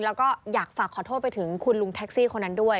แล้วก็อยากฝากขอโทษไปถึงคุณลุงแท็กซี่คนนั้นด้วย